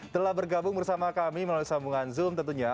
telah bergabung bersama kami melalui sambungan zoom tentunya